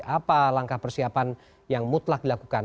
apa langkah persiapan yang mutlak dilakukan